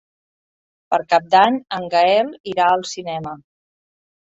Per Cap d'Any en Gaël irà al cinema.